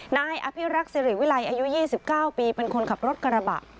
นายอภิรักษ์ศิริวิลัยอายุ๒๙ปีเป็นคนขับรถกระบะ